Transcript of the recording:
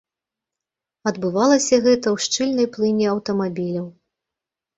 Адбывалася гэта ў шчыльнай плыні аўтамабіляў.